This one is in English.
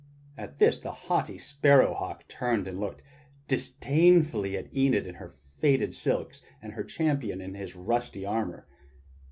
At this the haughty Sparrow Hawk turned and looked disdain fully at Enid in her faded silks and her champion in his rusty armor.